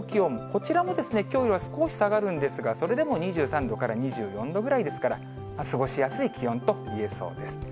こちらもですね、きょうよりは少し下がるんですが、それでも２３度から２４度ぐらいですから、過ごしやすい気温といえそうです。